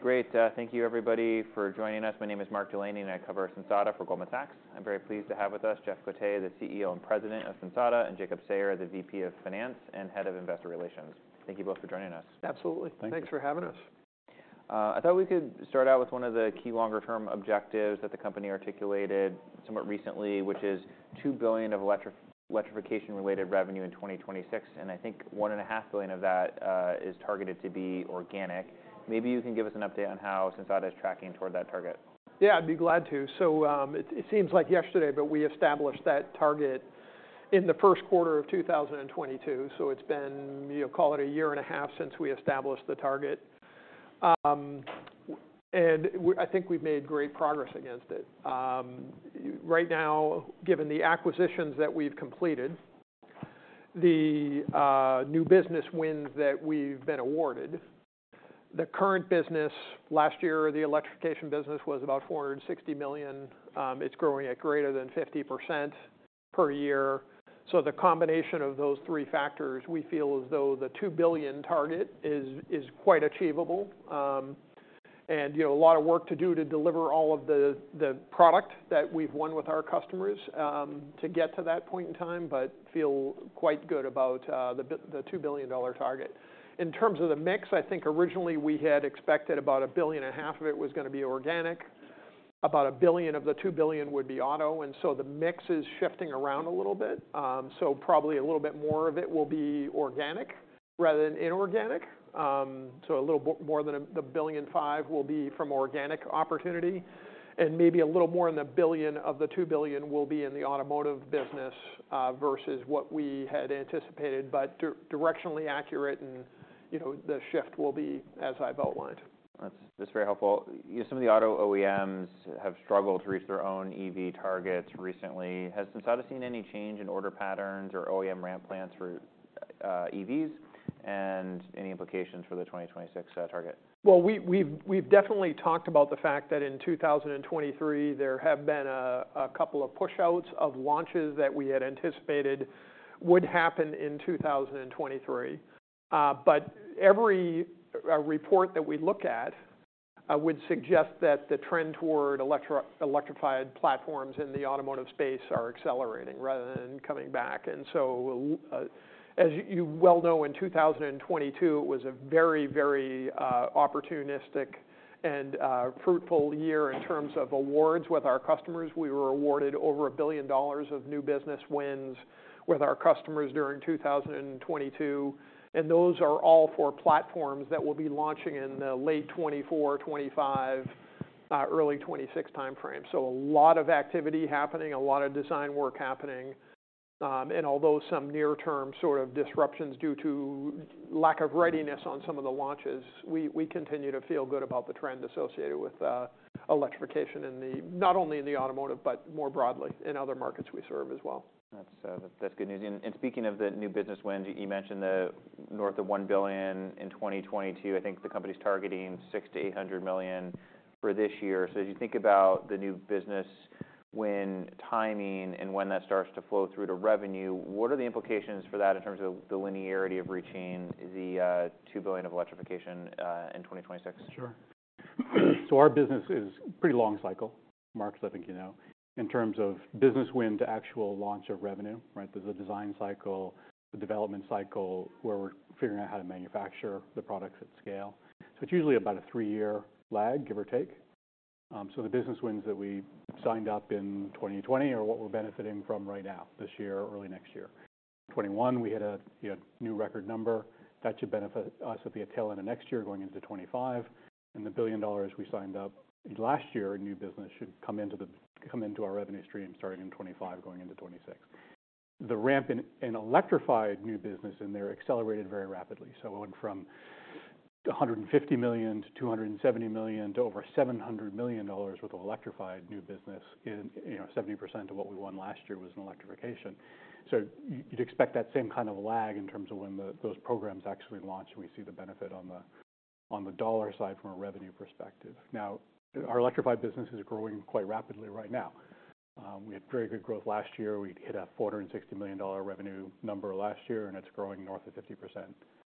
Great. Thank you, everybody, for joining us. My name is Mark Delaney, and I cover Sensata for Goldman Sachs. I'm very pleased to have with us Jeff Cote, the CEO and President of Sensata, and Jacob Sayer, the VP of Finance and Head of Investor Relations. Thank you both for joining us. Absolutely. Thank you. Thanks for having us. I thought we could start out with one of the key longer-term objectives that the company articulated somewhat recently, which is $2 billion of electrification-related revenue in 2026, and I think $1.5 billion of that is targeted to be organic. Maybe you can give us an update on how Sensata is tracking toward that target. Yeah, I'd be glad to. So, it seems like yesterday, but we established that target in the first quarter of 2022, so it's been, you know, call it a year and a half since we established the target. And I think we've made great progress against it. Right now, given the acquisitions that we've completed, the new business wins that we've been awarded, the current business last year, the electrification business, was about $460 million. It's growing at greater than 50% per year. So the combination of those three factors, we feel as though the $2 billion target is quite achievable. You know, a lot of work to do to deliver all of the product that we've won with our customers to get to that point in time, but feel quite good about the $2 billion target. In terms of the mix, I think originally we had expected about $1.5 billion of it was gonna be organic. About $1 billion of the $2 billion would be auto, and so the mix is shifting around a little bit. So probably a little bit more of it will be organic rather than inorganic. So, a little more than $1.5 billion will be from organic opportunity, and maybe a little more than $1 billion of the $2 billion will be in the automotive business, versus what we had anticipated, but directionally accurate, and, you know, the shift will be as I've outlined. That's, that's very helpful. Some of the auto OEMs have struggled to reach their own EV targets recently. Has Sensata seen any change in order patterns or OEM ramp plans for EVs, and any implications for the 2026 target? Well, we've definitely talked about the fact that in 2023, there have been a couple of push-outs of launches that we had anticipated would happen in 2023. But every report that we look at would suggest that the trend toward electrified platforms in the automotive space are accelerating rather than coming back. And so as you well know, in 2022, it was a very, very opportunistic and fruitful year in terms of awards with our customers. We were awarded over $1 billion of new business wins with our customers during 2022, and those are all for platforms that will be launching in the late 2024, 2025, early 2026 timeframe. So a lot of activity happening, a lot of design work happening, and although some near-term sort of disruptions due to lack of readiness on some of the launches, we continue to feel good about the trend associated with electrification in the... not only in the automotive, but more broadly in other markets we serve as well. That's, that's good news. Speaking of the new business wins, you mentioned north of $1 billion in 2022. I think the company's targeting $600 million-$800 million for this year. So as you think about the new business win timing and when that starts to flow through to revenue, what are the implications for that in terms of the linearity of reaching the $2 billion of electrification in 2026? Sure. So our business is pretty long cycle, Mark, so I think you know, in terms of business win to actual launch of revenue, right? There's a design cycle, the development cycle, where we're figuring out how to manufacture the products at scale. So it's usually about a three-year lag, give or take. So the business wins that we signed up in 2020 are what we're benefiting from right now, this year, early next year. 2021, we had a new record number that should benefit us with a tail end of next year, going into 2025. And the $1 billion we signed up last year in new business should come into our revenue stream starting in 2025, going into 2026. The ramp in an electrified new business in there accelerated very rapidly, so it went from $150 million to $270 million, to over $700 million worth of electrified new business in... You know, 70% of what we won last year was in electrification. So you'd expect that same kind of lag in terms of when the, those programs actually launch, and we see the benefit on the, on the dollar side from a revenue perspective. Now, our electrified business is growing quite rapidly right now. We had very good growth last year. We hit a $460 million revenue number last year, and it's growing north of 50%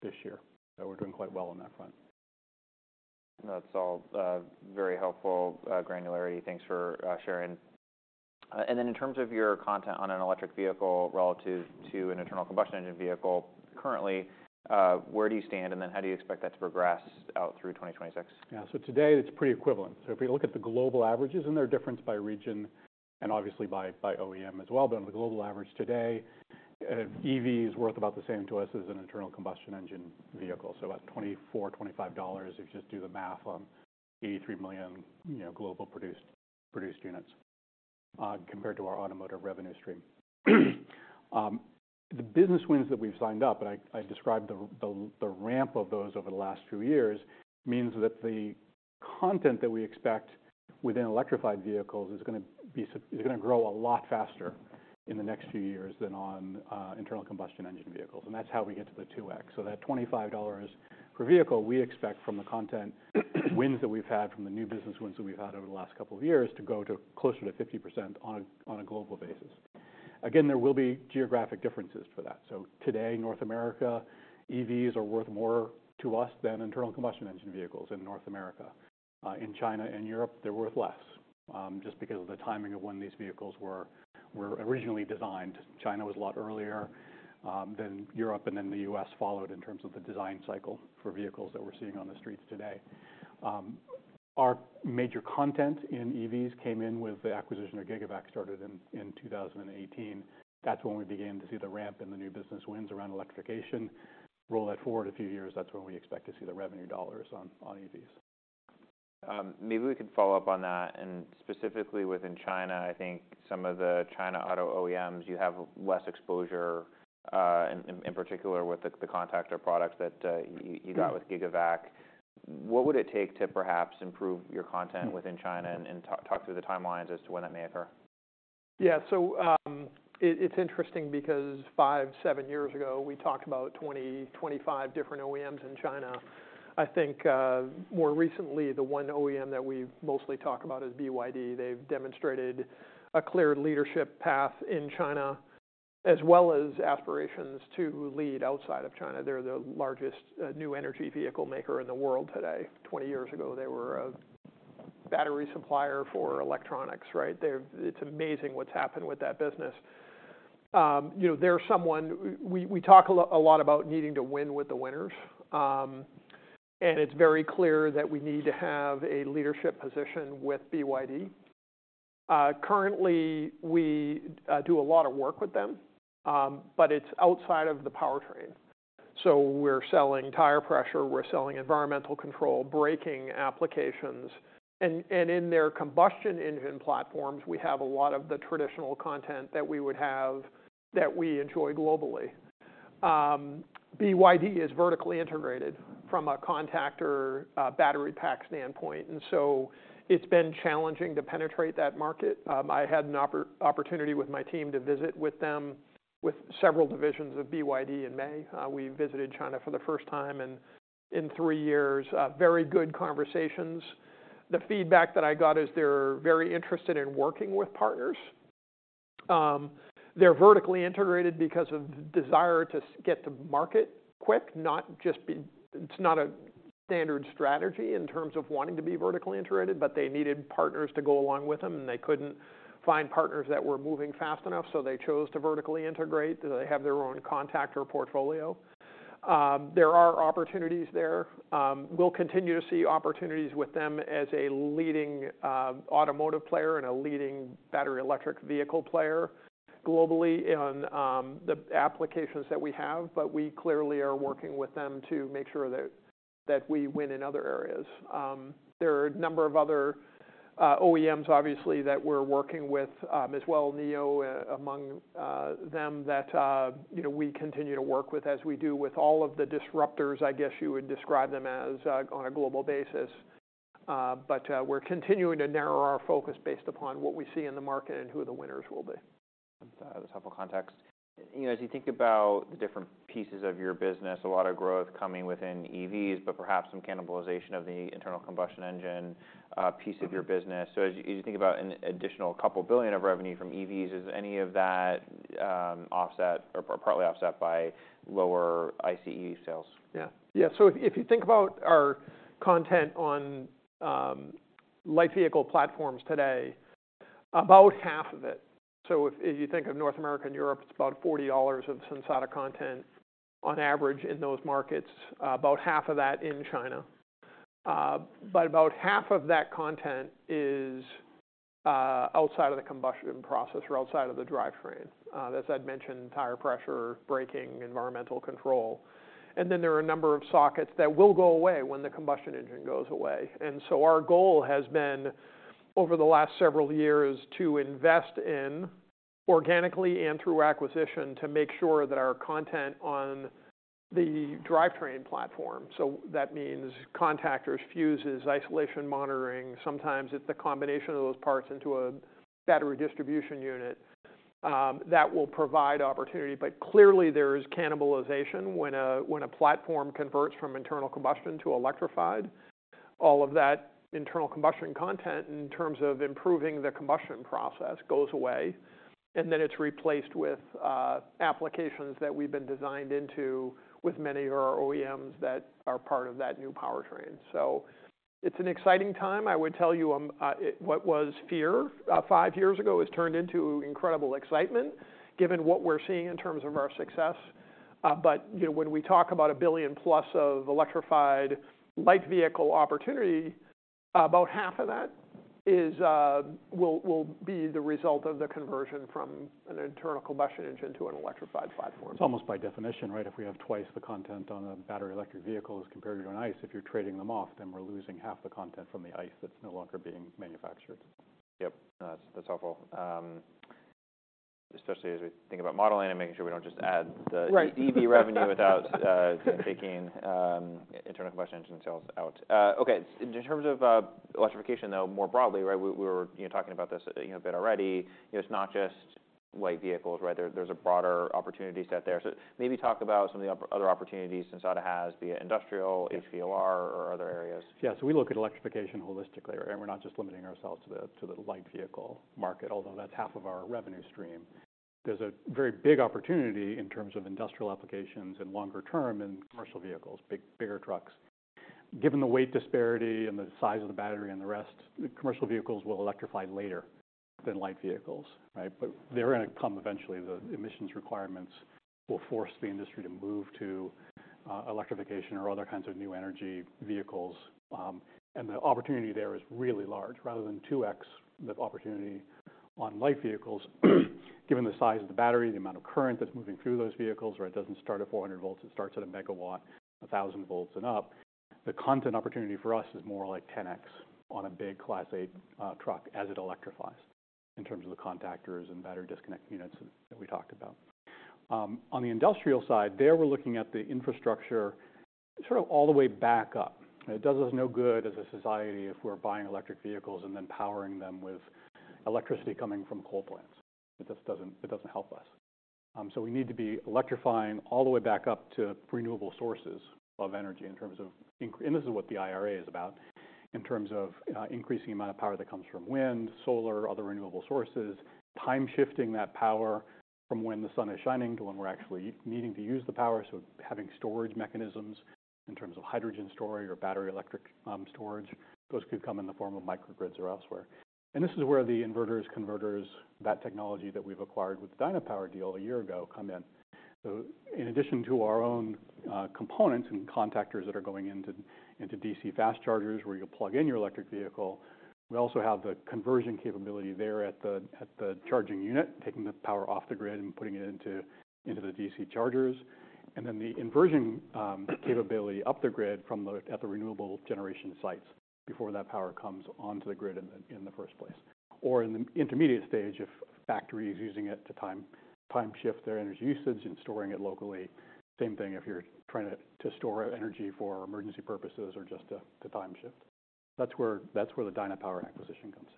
this year. So we're doing quite well on that front. That's all, very helpful, granularity. Thanks for, sharing. And then in terms of your content on an electric vehicle relative to an internal combustion engine vehicle currently, where do you stand, and then how do you expect that to progress out through 2026? Yeah. So today it's pretty equivalent. So if you look at the global averages and their difference by region and obviously by OEM as well, but on the global average today, EV is worth about the same to us as an internal combustion engine vehicle, so about $24-$25. If you just do the math on 83 million, you know, global produced units compared to our automotive revenue stream. The business wins that we've signed up, and I described the ramp of those over the last few years, means that the content that we expect within electrified vehicles is gonna be is gonna grow a lot faster in the next few years than on internal combustion engine vehicles, and that's how we get to the 2x. So that $25 per vehicle, we expect from the content wins that we've had, from the new business wins that we've had over the last couple of years, to go to closer to 50% on a global basis. Again, there will be geographic differences for that. So today, North America, EVs are worth more to us than internal combustion engine vehicles in North America. In China and Europe, they're worth less, just because of the timing of when these vehicles were originally designed. China was a lot earlier than Europe, and then the U.S. followed in terms of the design cycle for vehicles that we're seeing on the streets today. Our major content in EVs came in with the acquisition of GIGAVAC, started in 2018. That's when we began to see the ramp in the new business wins around electrification. Roll that forward a few years, that's when we expect to see the revenue dollars on, on EVs. Maybe we could follow up on that, and specifically within China. I think some of the China auto OEMs, you have less exposure in particular with the contactor products that you got with GIGAVAC. What would it take to perhaps improve your content within China, and talk through the timelines as to when that may occur? Yeah. So, it's interesting because five to seven years ago, we talked about 20-25 different OEMs in China. I think, more recently, the one OEM that we mostly talk about is BYD. They've demonstrated a clear leadership path in China, as well as aspirations to lead outside of China. They're the largest new energy vehicle maker in the world today. 20 years ago, they were a battery supplier for electronics, right? It's amazing what's happened with that business. You know, they're someone we talk a lot about needing to win with the winners. And it's very clear that we need to have a leadership position with BYD. Currently, we do a lot of work with them, but it's outside of the powertrain. So we're selling tire pressure, we're selling environmental control, braking applications, and in their combustion engine platforms, we have a lot of the traditional content that we would have, that we enjoy globally. BYD is vertically integrated from a contactor, battery pack standpoint, and so it's been challenging to penetrate that market. I had an opportunity with my team to visit with them with several divisions of BYD in May. We visited China for the first time in three years. Very good conversations. The feedback that I got is they're very interested in working with partners. They're vertically integrated because of desire to get to market quick. It's not a standard strategy in terms of wanting to be vertically integrated, but they needed partners to go along with them, and they couldn't find partners that were moving fast enough, so they chose to vertically integrate. They have their own contactor portfolio. There are opportunities there. We'll continue to see opportunities with them as a leading automotive player and a leading battery electric vehicle player globally on the applications that we have, but we clearly are working with them to make sure that we win in other areas. There are a number of other OEMs, obviously, that we're working with, as well, NIO among them, that you know we continue to work with, as we do with all of the disruptors, I guess you would describe them as, on a global basis. But we're continuing to narrow our focus based upon what we see in the market and who the winners will be. That's helpful context. You know, as you think about the different pieces of your business, a lot of growth coming within EVs, but perhaps some cannibalization of the internal combustion engine piece of your business. So as you think about an additional $2 billion of revenue from EVs, is any of that offset or partly offset by lower ICE sales? Yeah. Yeah. So if you think about our content on light vehicle platforms today, about half of it. So if you think of North America and Europe, it's about $40 of Sensata content on average in those markets, about half of that in China. But about half of that content is outside of the combustion process or outside of the drivetrain. As I'd mentioned, tire pressure, braking, environmental control. And then there are a number of sockets that will go away when the combustion engine goes away. And so our goal has been, over the last several years, to invest in organically and through acquisition, to make sure that our content on the drivetrain platform, so that means contactors, fuses, isolation monitoring. Sometimes it's a combination of those parts into a battery distribution unit, that will provide opportunity. But clearly, there is cannibalization when a platform converts from internal combustion to electrified. All of that internal combustion content, in terms of improving the combustion process, goes away, and then it's replaced with applications that we've been designed into with many of our OEMs that are part of that new powertrain. So it's an exciting time. I would tell you, what was fear five years ago has turned into incredible excitement, given what we're seeing in terms of our success. But, you know, when we talk about $1 billion-plus of electrified light vehicle opportunity, about half of that is, will be the result of the conversion from an internal combustion engine to an electrified platform. It's almost by definition, right? If we have twice the content on a battery electric vehicle as compared to an ICE, if you're trading them off, then we're losing half the content from the ICE that's no longer being manufactured. Yep, that's, that's helpful. Especially as we think about modeling and making sure we don't just add the- Right... EV revenue without taking internal combustion engine sales out. Okay, in terms of electrification, though, more broadly, right? We, we were, you know, talking about this, you know, a bit already. It's not just light vehicles, right? There, there's a broader opportunity set there. So maybe talk about some of the other opportunities Sensata has via industrial, HVOR or other areas. Yeah. So we look at electrification holistically. We're not just limiting ourselves to the light vehicle market, although that's half of our revenue stream.... There's a very big opportunity in terms of industrial applications, and longer term, in commercial vehicles, big, bigger trucks. Given the weight disparity and the size of the battery and the rest, commercial vehicles will electrify later than light vehicles, right? But they're gonna come eventually. The emissions requirements will force the industry to move to electrification or other kinds of new energy vehicles. And the opportunity there is really large. Rather than 2x, the opportunity on light vehicles, given the size of the battery, the amount of current that's moving through those vehicles, where it doesn't start at 400 volts, it starts at a megawatt, 1,000 volts and up, the content opportunity for us is more like 10x on a big Class 8 truck as it electrifies, in terms of the contactors and battery disconnect units that, that we talked about. On the industrial side, there, we're looking at the infrastructure sort of all the way back up. It does us no good as a society if we're buying electric vehicles and then powering them with electricity coming from coal plants. It just doesn't, it doesn't help us. So we need to be electrifying all the way back up to renewable sources of energy in terms of and this is what the IRA is about, in terms of increasing the amount of power that comes from wind, solar, other renewable sources, time-shifting that power from when the sun is shining to when we're actually needing to use the power, so having storage mechanisms in terms of hydrogen storage or battery electric storage. Those could come in the form of microgrids or elsewhere. And this is where the inverters, converters, that technology that we've acquired with the Dynapower deal a year ago come in. So in addition to our own components and contactors that are going into DC fast-chargers, where you plug in your electric vehicle, we also have the conversion capability there at the charging unit, taking the power off the grid and putting it into the DC chargers. And then the inverter capability up to the grid at the renewable generation sites before that power comes onto the grid in the first place. Or in the intermediate stage, if a factory is using it to time-shift their energy usage and storing it locally. Same thing if you're trying to store energy for emergency purposes or just to time-shift. That's where the Dynapower acquisition comes in.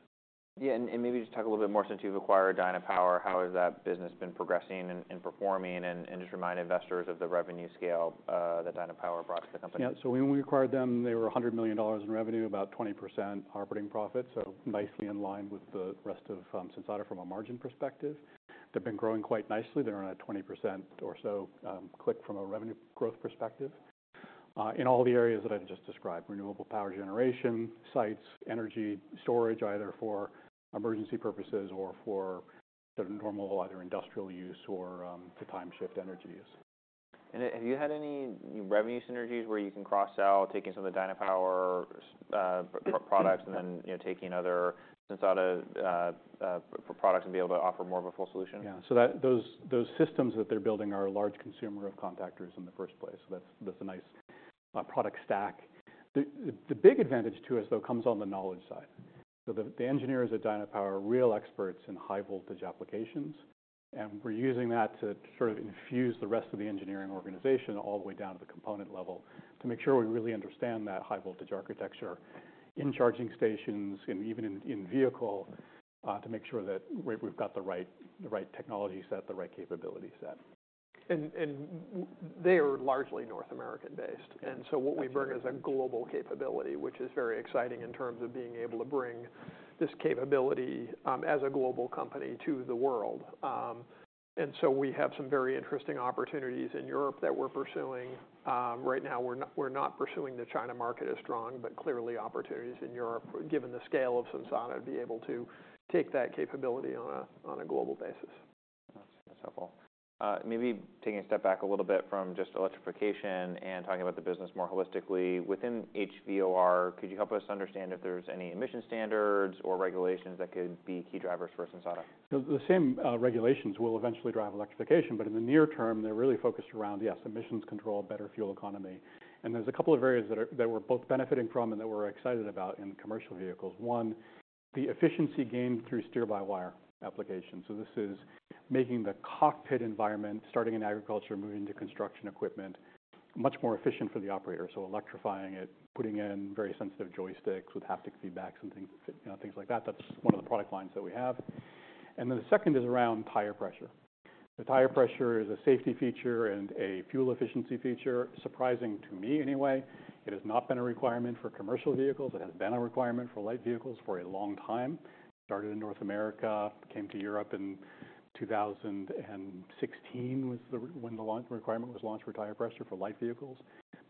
Yeah, and maybe just talk a little bit more, since you've acquired Dynapower, how has that business been progressing and performing? And just remind investors of the revenue scale that Dynapower brought to the company. Yeah. So when we acquired them, they were $100 million in revenue, about 20% operating profits, so nicely in line with the rest of Sensata from a margin perspective. They've been growing quite nicely. They're on a 20% or so clip from a revenue growth perspective in all the areas that I've just described: renewable power generation, sites, energy storage, either for emergency purposes or for the normal, either industrial use or to time-shift energy use. Have you had any revenue synergies where you can cross-sell, taking some of the Dynapower products and then, you know, taking other Sensata products and be able to offer more of a full solution? Yeah. So those systems that they're building are a large consumer of contactors in the first place. So that's a nice product stack. The big advantage to us, though, comes on the knowledge side. So the engineers at Dynapower are real experts in high-voltage applications, and we're using that to sort of infuse the rest of the engineering organization, all the way down to the component level, to make sure we really understand that high-voltage architecture in charging stations and even in vehicle to make sure that we've got the right technology set, the right capability set. They are largely North American-based. Yeah. What we bring is a global capability, which is very exciting in terms of being able to bring this capability, as a global company to the world. We have some very interesting opportunities in Europe that we're pursuing. Right now, we're not, we're not pursuing the China market as strong, but clearly, opportunities in Europe, given the scale of Sensata, would be able to take that capability on a global basis. That's helpful. Maybe taking a step back a little bit from just electrification and talking about the business more holistically. Within HVOR, could you help us understand if there's any emission standards or regulations that could be key drivers for Sensata? The same regulations will eventually drive electrification, but in the near-term, they're really focused around, yes, emissions control, better fuel economy. And there's a couple of areas that we're both benefiting from and that we're excited about in commercial vehicles. One, the efficiency gained through steer-by-wire application. So this is making the cockpit environment, starting in agriculture, moving to construction equipment, much more efficient for the operator. So electrifying it, putting in very sensitive joysticks with haptic feedback and things, you know, things like that. That's one of the product lines that we have. And then the second is around tire pressure. The tire pressure is a safety feature and a fuel efficiency feature. Surprising to me, anyway, it has not been a requirement for commercial vehicles. It has been a requirement for light vehicles for a long time. Started in North America, came to Europe in 2016, when the launch requirement was launched for tire pressure for light vehicles.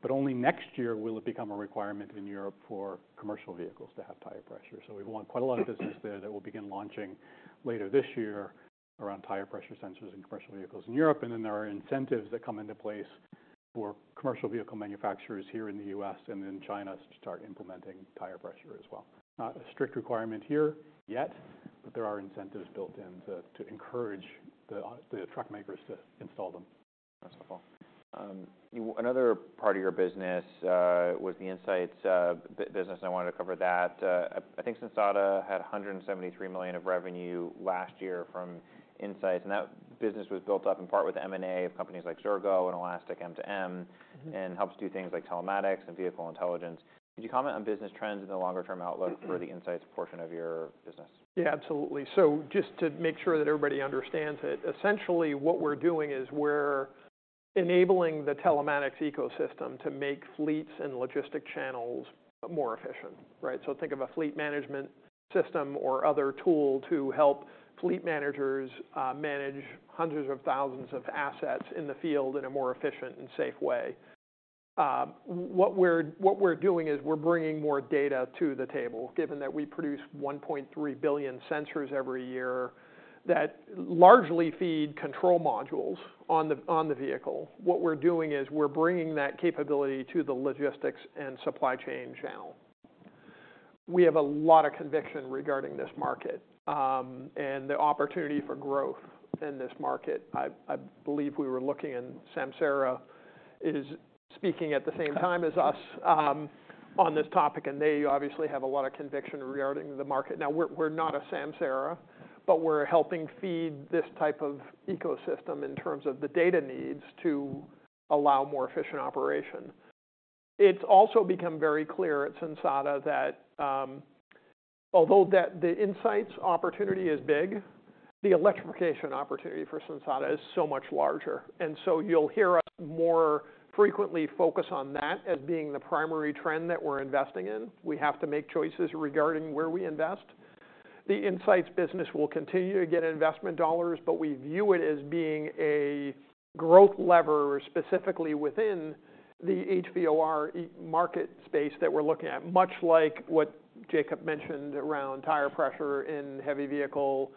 But only next year will it become a requirement in Europe for commercial vehicles to have tire pressure. So we want quite a lot of business there that will begin launching later this year around tire pressure sensors in commercial vehicles in Europe. And then there are incentives that come into place for commercial vehicle manufacturers here in the U.S. and in China to start implementing tire pressure as well. Not a strict requirement here yet, but there are incentives built in to encourage the truck makers to install them. That's helpful. Another part of your business was the Insights business. I wanted to cover that. I think Sensata had $173 million of revenue last year from Insights, and that business was built up in part with M&A of companies like Xirgo and Elastic M2M. Mm-hmm. - and helps do things like telematics and vehicle intelligence. Could you comment on business trends and the longer-term outlook for the Insights portion of your business? Yeah, absolutely. So just to make sure that everybody understands it, essentially, what we're doing is we're enabling the telematics ecosystem to make fleets and logistics channels more efficient, right? So think of a fleet management system or other tool to help fleet managers manage hundreds of thousands of assets in the field in a more efficient and safe way. What we're doing is we're bringing more data to the table, given that we produce 1.3 billion sensors every year that largely feed control modules on the vehicle. What we're doing is we're bringing that capability to the logistics and supply-chain channel. We have a lot of conviction regarding this market and the opportunity for growth in this market. I believe we were looking, and Samsara is speaking at the same time as us on this topic, and they obviously have a lot of conviction regarding the market. Now, we're not a Samsara, but we're helping feed this type of ecosystem in terms of the data needs to allow more efficient operation. It's also become very clear at Sensata that although the insights opportunity is big, the electrification opportunity for Sensata is so much larger. And so you'll hear us more frequently focus on that as being the primary trend that we're investing in. We have to make choices regarding where we invest. The Insights business will continue to get investment dollars, but we view it as being a growth lever, specifically within the HVOR market space that we're looking at, much like what Jacob mentioned around tire pressure in heavy-vehicle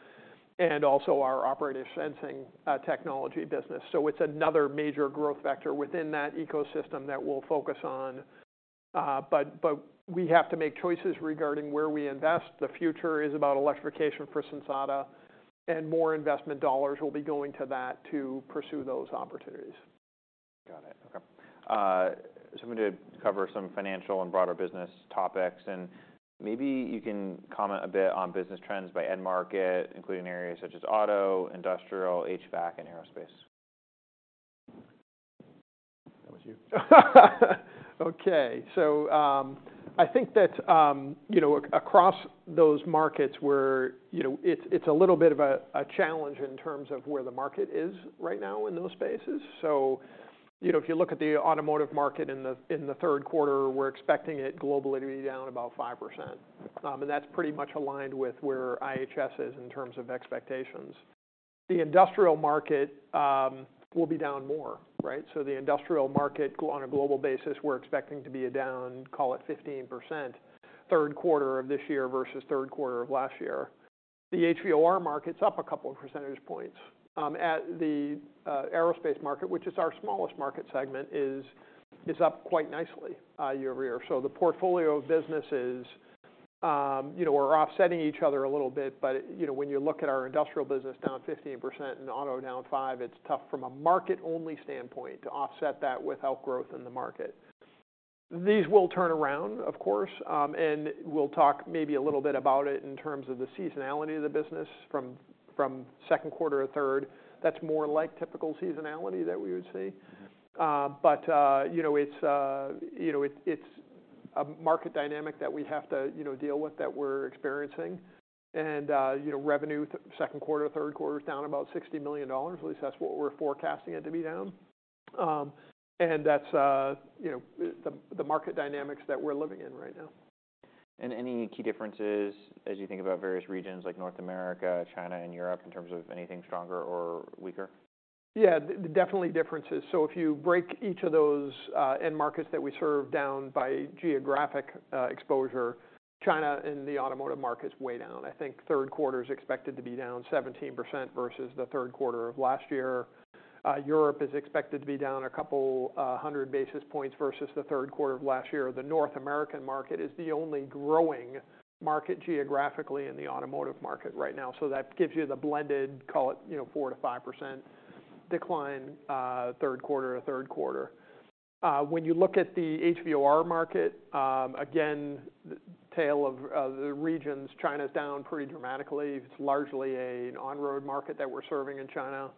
and also our Operator Sensing technology business. So it's another major growth vector within that ecosystem that we'll focus on. But we have to make choices regarding where we invest. The future is about electrification for Sensata, and more investment dollars will be going to that to pursue those opportunities. Got it. Okay. So I'm going to cover some financial and broader business topics, and maybe you can comment a bit on business trends by end market, including areas such as auto, industrial, HVAC, and aerospace. That was you? Okay. So, I think that, you know, across those markets where, you know, it's, it's a little bit of a, a challenge in terms of where the market is right now in those spaces. So, you know, if you look at the automotive market in the third quarter, we're expecting it globally to be down about 5%. And that's pretty much aligned with where IHS is in terms of expectations. The industrial market will be down more, right? So the industrial market on a global basis, we're expecting to be down, call it 15%, third quarter of this year versus third quarter of last year. The HVOR market's up a couple of percentage points. At the aerospace market, which is our smallest market segment, is up quite nicely, year-over-year. So the portfolio of businesses, you know, are offsetting each other a little bit, but, you know, when you look at our industrial business down 15% and auto down 5%, it's tough from a market-only standpoint to offset that without growth in the market. These will turn around, of course, and we'll talk maybe a little bit about it in terms of the seasonality of the business from second quarter to third. That's more like typical seasonality that we would see. Mm-hmm. But, you know, it's, you know, it's a market dynamic that we have to, you know, deal with, that we're experiencing. And, you know, revenue second quarter, third quarter is down about $60 million. At least that's what we're forecasting it to be down. And that's, you know, the market dynamics that we're living in right now. Any key differences as you think about various regions like North America, China, and Europe, in terms of anything stronger or weaker? Yeah, definitely differences. So if you break each of those end markets that we serve down by geographic exposure, China and the automotive market is way down. I think third quarter is expected to be down 17% versus the third quarter of last year. Europe is expected to be down a couple hundred basis points versus the third quarter of last year. The North American market is the only growing market geographically in the automotive market right now. So that gives you the blended, call it, you know, 4%-5% decline, third quarter to third quarter. When you look at the HVOR market, again, the tale of the regions, China's down pretty dramatically. It's largely an on-road market that we're serving in China.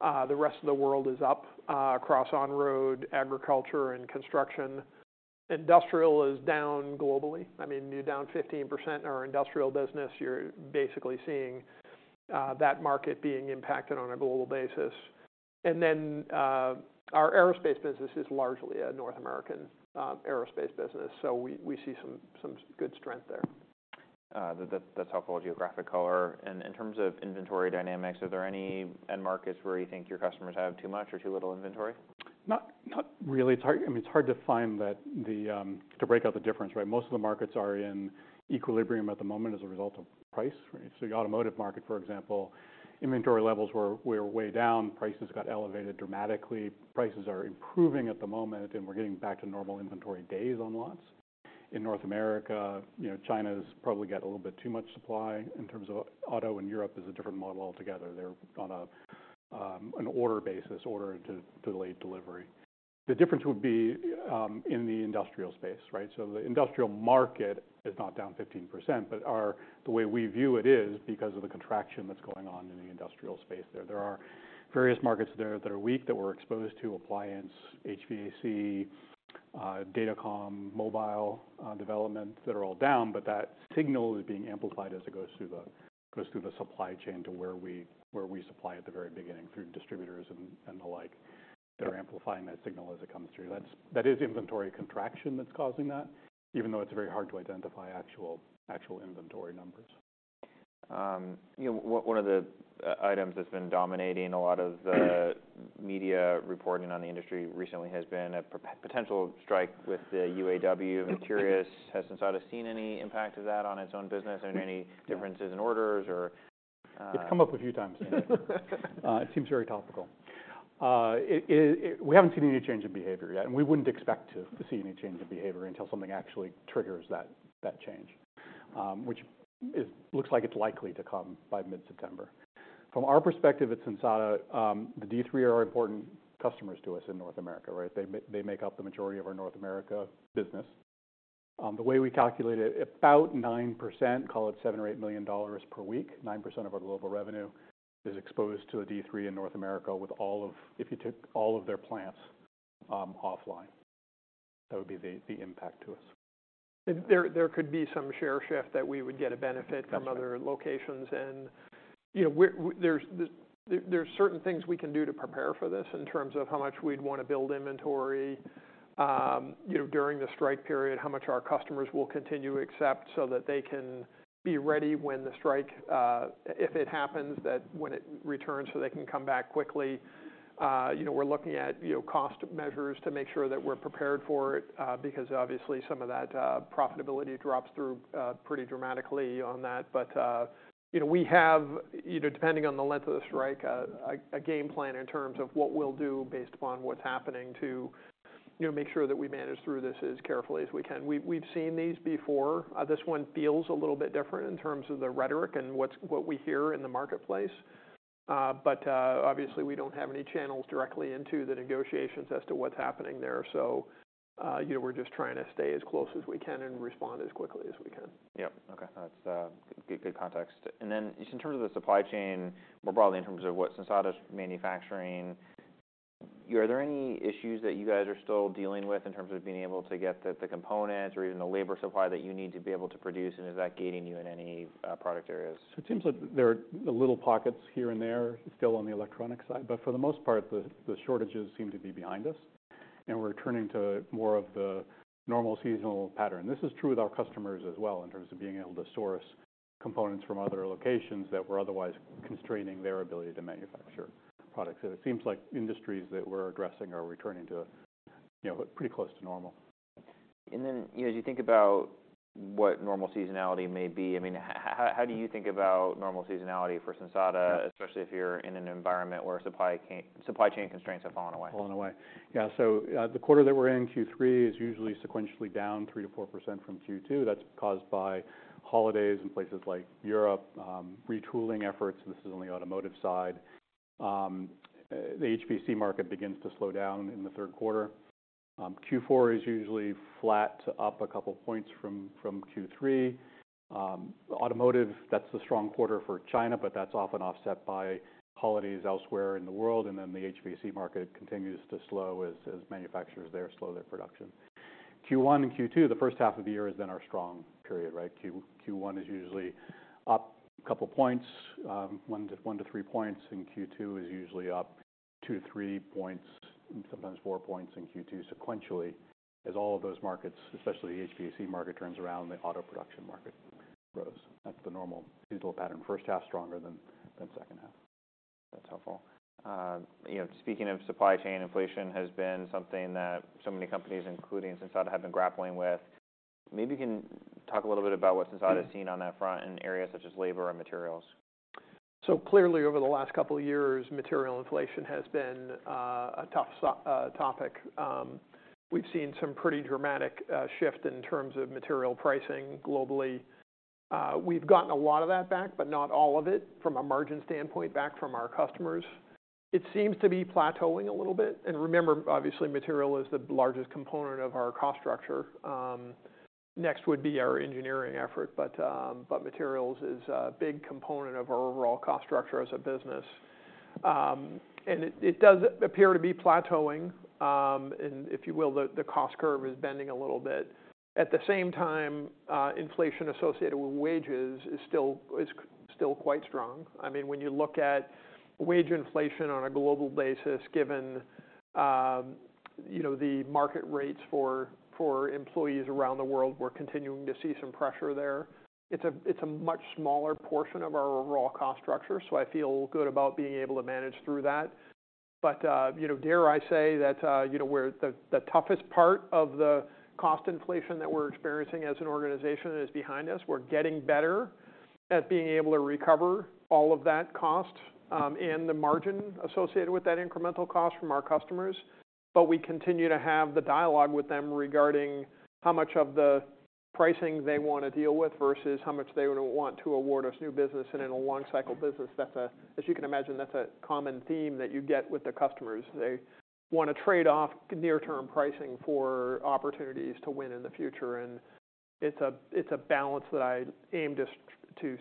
The rest of the world is up, across on-road, agriculture, and construction. Industrial is down globally. I mean, you're down 15% in our industrial business. You're basically seeing that market being impacted on a global basis. And then, our aerospace business is largely a North American aerospace business. So we see some good strength there. That's helpful geographic color. And in terms of inventory dynamics, are there any end markets where you think your customers have too much or too little inventory? Not, not really. It's hard... I mean, it's hard to find that the, to break out the difference, right? Most of the markets are in equilibrium at the moment as a result of price, right? So the automotive market, for example, inventory levels were way down. Prices got elevated dramatically. Prices are improving at the moment, and we're getting back to normal inventory days on lots. In North America, you know, China's probably got a little bit too much supply in terms of auto, and Europe is a different model altogether. They're on a, an order basis, order to delayed delivery. The difference would be in the industrial space, right? So the industrial market is not down 15%, but the way we view it is because of the contraction that's going on in the industrial space there. There are various markets there that are weak, that we're exposed to, appliance, HVAC, datacom, mobile, developments that are all down, but that signal is being amplified as it goes through the, goes through the supply-chain to where we, where we supply at the very beginning, through distributors and, and the like. They're amplifying that signal as it comes through. That's, that is inventory contraction that's causing that, even though it's very hard to identify actual, actual inventory numbers. You know, one of the items that's been dominating a lot of the- Mm Media reporting on the industry recently has been a potential strike with the UAW. Mm. Curious, has Sensata seen any impact of that on its own business? Or any differences in orders or It's come up a few times. It seems very topical. We haven't seen any change in behavior yet, and we wouldn't expect to see any change in behavior until something actually triggers that change. Which it looks like it's likely to come by mid-September. From our perspective at Sensata, the D3 are important customers to us in North America, right? They make up the majority of our North America business. The way we calculate it, about 9%, call it $7 million or $8 million per week, 9% of our global revenue is exposed to a D3 in North America, with all of—if you took all of their plants offline, that would be the impact to us. There could be some share shift that we would get a benefit- Got it. from other locations. And, you know, there's there, there's certain things we can do to prepare for this, in terms of how much we'd want to build inventory, you know, during the strike period, how much our customers will continue to accept so that they can be ready when the strike, if it happens, that when it returns, so they can come back quickly. You know, we're looking at, you know, cost measures to make sure that we're prepared for it, because obviously, some of that profitability drops through pretty dramatically on that. But, you know, we have, you know, depending on the length of the strike, a game plan in terms of what we'll do based upon what's happening to, you know, make sure that we manage through this as carefully as we can. We've seen these before. This one feels a little bit different in terms of the rhetoric and what we hear in the marketplace. But obviously, we don't have any channels directly into the negotiations as to what's happening there. So, you know, we're just trying to stay as close as we can and respond as quickly as we can. Yep. Okay, that's a good, good context. And then just in terms of the supply-chain, more broadly, in terms of what Sensata's manufacturing, are there any issues that you guys are still dealing with in terms of being able to get the components or even the labor supply that you need to be able to produce? And is that gating you in any product areas? So it seems like there are little pockets here and there still on the electronic side, but for the most part, the shortages seem to be behind us, and we're returning to more of the normal seasonal pattern. This is true with our customers as well, in terms of being able to source components from other locations that were otherwise constraining their ability to manufacture products. So it seems like industries that we're addressing are returning to, you know, pretty close to normal. Then, you know, as you think about what normal seasonality may be, I mean, how do you think about normal seasonality for Sensata? Yeah. Especially if you're in an environment where supply-chain, supply-chain constraints have fallen away. Fallen away. Yeah, so, the quarter that we're in, Q3, is usually sequentially down 3%-4% from Q2. That's caused by holidays in places like Europe, retooling efforts, this is on the automotive side. The HPC market begins to slow down in the third quarter. Q4 is usually flat to up a couple points from Q3. Automotive, that's the strong quarter for China, but that's often offset by holidays elsewhere in the world. And then the HPC market continues to slow as manufacturers there slow their production. Q1 and Q2, the first half of the year, is then our strong period, right? Q1 is usually up a couple points, 1 to 1 to 3 points, and Q2 is usually up 2-3 points, sometimes 4 points in Q2 sequentially, as all of those markets, especially the HPC market, turns around, the auto production market grows. That's the normal usual pattern. First half stronger than second half. That's helpful. You know, speaking of supply-chain, inflation has been something that so many companies, including Sensata, have been grappling with. Maybe you can talk a little bit about what Sensata- Mm has seen on that front in areas such as labor and materials. So clearly, over the last couple of years, material inflation has been a tough topic. We've seen some pretty dramatic shift in terms of material pricing globally. We've gotten a lot of that back, but not all of it from a margin standpoint, back from our customers. It seems to be plateauing a little bit. And remember, obviously, material is the largest component of our cost structure. Next would be our engineering effort, but, but materials is a big component of our overall cost structure as a business. And it does appear to be plateauing. And if you will, the cost curve is bending a little bit. At the same time, inflation associated with wages is still quite strong. I mean, when you look at wage inflation on a global basis, given, you know, the market rates for, for employees around the world, we're continuing to see some pressure there. It's a, it's a much smaller portion of our overall cost structure, so I feel good about being able to manage through that. But, you know, dare I say that, you know, we're the toughest part of the cost inflation that we're experiencing as an organization is behind us. We're getting better at being able to recover all of that cost, and the margin associated with that incremental cost from our customers. But we continue to have the dialogue with them regarding how much of the pricing they want to deal with, versus how much they would want to award us new business. And in a long cycle business, that's a... As you can imagine, that's a common theme that you get with the customers. They want to trade off near-term pricing for opportunities to win in the future. It's a balance that I aim to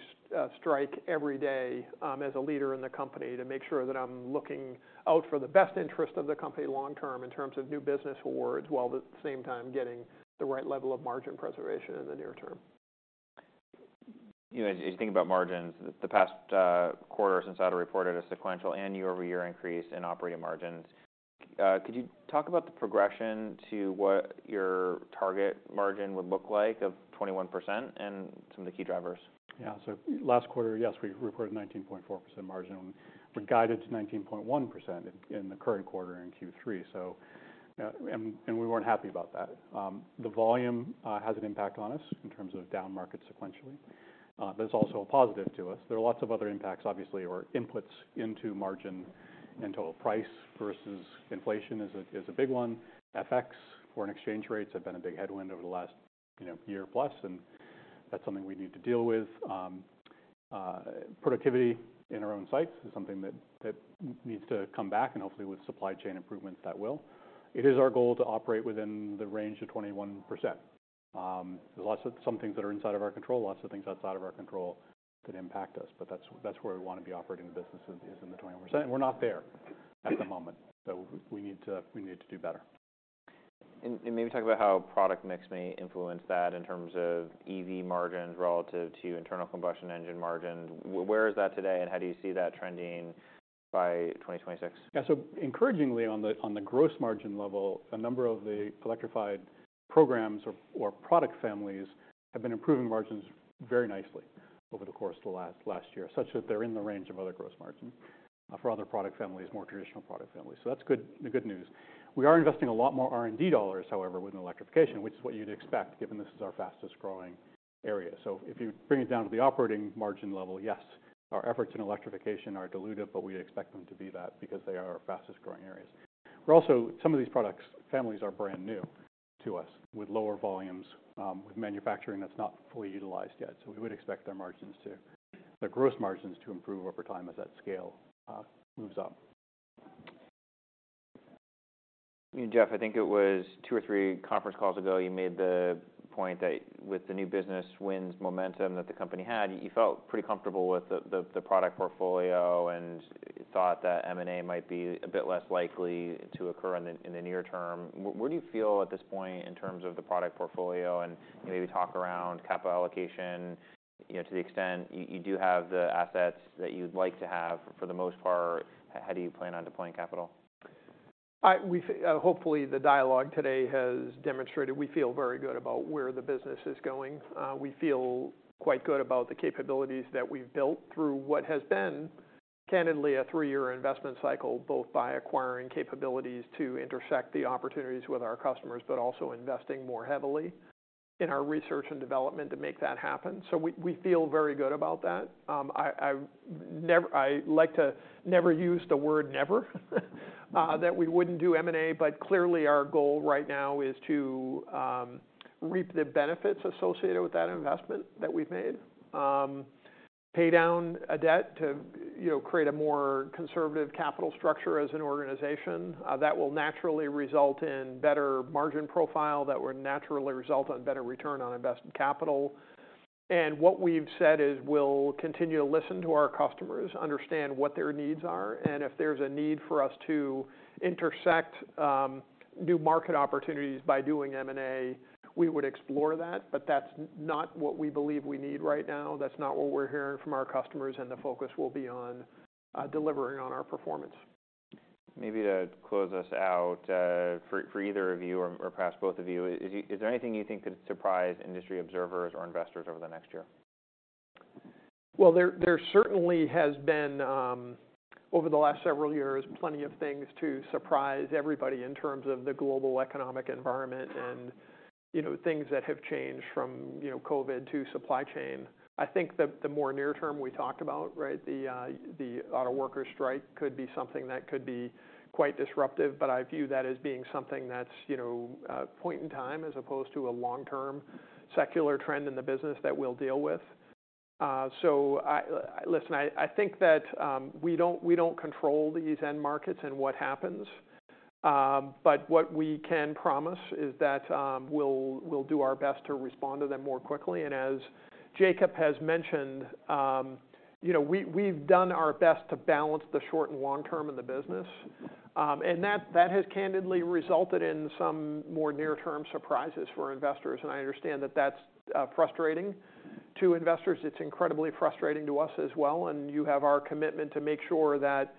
strike every day, as a leader in the company, to make sure that I'm looking out for the best interest of the company long-term, in terms of new business awards, while at the same time getting the right level of margin preservation in the near-term. You know, as you think about margins, the past quarter since I reported a sequential and year-over-year increase in operating margins, could you talk about the progression to what your target margin would look like of 21% and some of the key drivers? Yeah. So last quarter, yes, we reported 19.4% margin. We're guided to 19.1% in the current quarter in Q3, so, and we weren't happy about that. The volume has an impact on us in terms of down market sequentially. But it's also a positive to us. There are lots of other impacts, obviously, or inputs into margin and total price versus inflation is a big one. FX, foreign exchange rates have been a big headwind over the last, you know, year plus, and that's something we need to deal with. Productivity in our own sites is something that needs to come back, and hopefully, with supply-chain improvements, that will. It is our goal to operate within the range of 21%. There's lots of some things that are inside of our control, lots of things outside of our control that impact us, but that's, that's where we want to be operating the business is, is in the 21%. We're not there at the moment, so we need to, we need to do better. Maybe talk about how product mix may influence that in terms of EV margins relative to internal combustion engine margins. Where is that today, and how do you see that trending by 2026? Yeah, so encouragingly on the gross margin level, a number of the electrified programs or product families have been improving margins very nicely over the course of the last year. Such that they're in the range of other gross margins for other product families, more traditional product families. So that's good, the good news. We are investing a lot more R&D dollars, however, with electrification, which is what you'd expect, given this is our fastest growing area. So if you bring it down to the operating margin level, yes, our efforts in electrification are diluted, but we expect them to be that because they are our fastest growing areas. We're also some of these product families are brand new to us, with lower volumes, with manufacturing that's not fully utilized yet. So we would expect their margins to... Their gross margins to improve over time as that scale moves up. Jeff, I think it was two or three conference calls ago, you made the point that with the new business wins momentum that the company had, you felt pretty comfortable with the product portfolio and thought that M&A might be a bit less likely to occur in the near-term. Where do you feel at this point in terms of the product portfolio? And maybe talk around capital allocation, you know, to the extent you do have the assets that you'd like to have for the most part, how do you plan on deploying capital? We hopefully the dialogue today has demonstrated we feel very good about where the business is going. We feel quite good about the capabilities that we've built through what has been, candidly, a three-year investment cycle, both by acquiring capabilities to intersect the opportunities with our customers, but also investing more heavily in our research and development to make that happen. So we, we feel very good about that. I like to never use the word never that we wouldn't do M&A, but clearly, our goal right now is to reap the benefits associated with that investment that we've made. Pay down a debt to, you know, create a more conservative capital structure as an organization. That will naturally result in better margin profile, that would naturally result in better return on invested capital. What we've said is, we'll continue to listen to our customers, understand what their needs are, and if there's a need for us to intersect new market opportunities by doing M&A, we would explore that. But that's not what we believe we need right now. That's not what we're hearing from our customers, and the focus will be on delivering on our performance. Maybe to close us out, for either of you or perhaps both of you, is there anything you think could surprise industry observers or investors over the next year? Well, there certainly has been over the last several years plenty of things to surprise everybody in terms of the global economic environment and, you know, things that have changed from, you know, COVID to supply-chain. I think the more near-term we talked about, right, the autoworker strike could be something that could be quite disruptive, but I view that as being something that's, you know, a point in time as opposed to a long-term secular trend in the business that we'll deal with. So I... Listen, I, I think that we don't, we don't control these end markets and what happens, but what we can promise is that we'll, we'll do our best to respond to them more quickly. As Jacob has mentioned, you know, we've done our best to balance the short and long-term in the business. That has candidly resulted in some more near-term surprises for investors, and I understand that that's frustrating to investors. It's incredibly frustrating to us as well, and you have our commitment to make sure that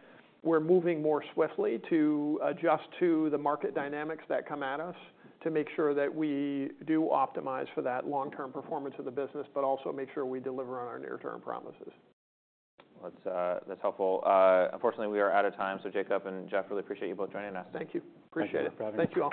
we're moving more swiftly to adjust to the market dynamics that come at us, to make sure that we do optimize for that long-term performance of the business, but also make sure we deliver on our near-term promises. That's, that's helpful. Unfortunately, we are out of time, so Jacob and Jeff, really appreciate you both joining us. Thank you. Appreciate it. Thank you for having us. Thank you, all.